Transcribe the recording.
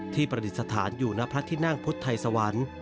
ที่ประดิษฐานอยู่ในพระธินังพุทธไทยสวรรค์